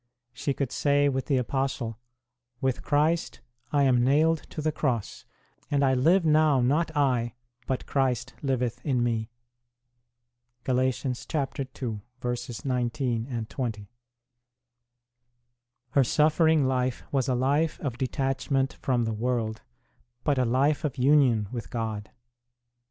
She could say with the Apostle : With Christ I am nailed to the Cross ; and I live, now not I, but Christ liveth in me. 1 Her suffering life was a life of detachment from the world, but a life of union with God.